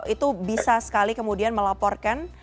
itu bisa sekali kemudian melaporkan